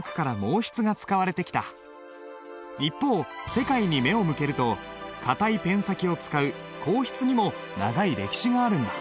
一方世界に目を向けると硬いペン先を使う硬筆にも長い歴史があるんだ。